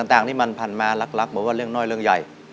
อะไรต่างส่งทีมันผ่านมารักมันบอกว่ะเรื่องน้อยเรื่องใหญ่